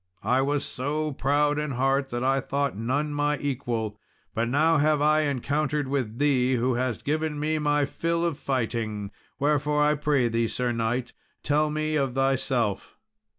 I was so proud in heart that I thought none my equal, but now have I encountered with thee, who hast given me my fill of fighting; wherefore, I pray thee, Sir knight, tell me of thyself."